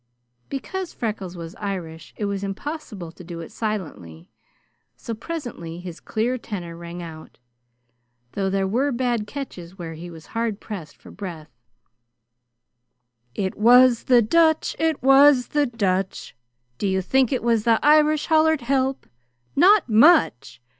Because Freckles was Irish, it was impossible to do it silently, so presently his clear tenor rang out, though there were bad catches where he was hard pressed for breath: "It was the Dutch. It was the Dutch. Do you think it was the Irish hollered help? Not much!